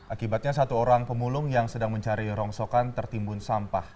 akibatnya satu orang pemulung yang sedang mencari rongsokan tertimbun sampah